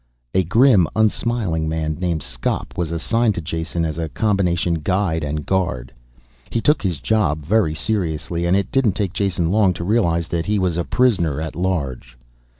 A grim, unsmiling man named Skop was assigned to Jason as a combination guide and guard. He took his job very seriously, and it didn't take Jason long to realize that he was a prisoner at large.